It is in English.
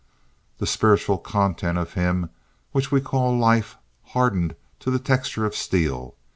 That spiritual content of him which we call life hardened to the texture of steel.